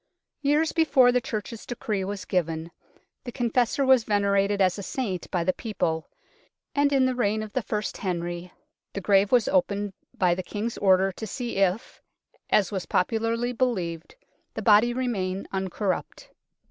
Years before the Church's decree was given, the Confessor was venerated as a Saint by the people, and in the reign of the first Henry the grave was opened by the King's order to see if, as was popularly believed, the body remained uncorrupt.